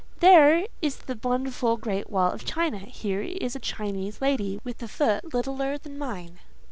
There is the wonderful Great Wall of China; here is a Chinese lady, with a foot littler than mine.